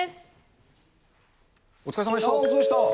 お疲れさまでした。